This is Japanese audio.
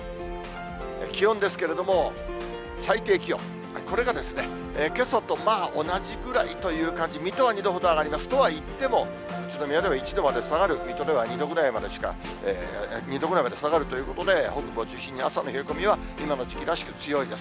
気温ですけれども、最低気温、これがけさとまあ、同じくらいという感じ、水戸は２度ほど上がります、とはいっても、宇都宮では１度まで下がる、水戸では２度ぐらいまでしか、２度ぐらいまで下がるということで、北部を中心に、朝の冷え込みは今の時期らしく強いです。